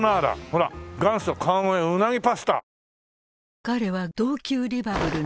ほら「元祖川越鰻パスタ」。